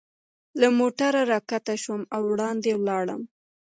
له موټره را کښته شوم او وړاندې ولاړم.